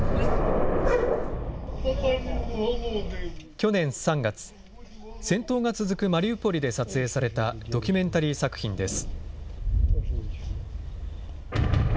去年３月、戦闘が続くマリウポリで撮影されたドキュメンタリー作品です。